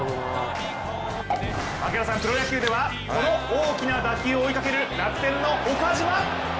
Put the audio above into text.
プロ野球ではこの大きな打球を追いかける楽天の岡島。